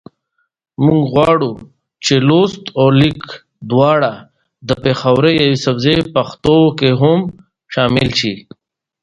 درويشت زره ورپاتې پوځيان يې د ښار جنوبي څنډو ته ورټول کړل.